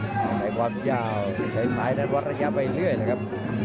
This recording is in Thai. เทศวัดยาวเทศซ้ายนั้นวัดระยะไปเรื่อยนะครับ